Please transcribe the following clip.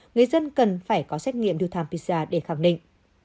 người dân cần phải có xét nghiệm reuthampisia để khẳng định